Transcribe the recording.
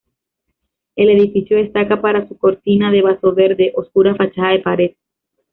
El edificio destaca para su cortina de vaso verde oscura fachada de pared.